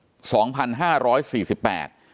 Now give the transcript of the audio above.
เป็นวันที่๑๕ธนวาคมแต่คุณผู้ชมค่ะกลายเป็นวันที่๑๕ธนวาคม